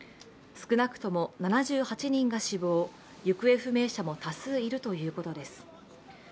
少なくとも７８人が死亡、行方不明者も多数いるということです。